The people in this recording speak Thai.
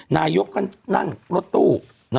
นายกก็นั่งรถตู้